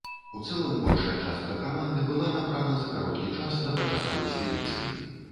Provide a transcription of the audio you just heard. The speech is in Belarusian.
У цэлым, большая частка каманды была набрана за кароткі час да пачатку экспедыцыі.